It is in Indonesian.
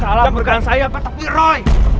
jangan salah berkan saya pak tapi roy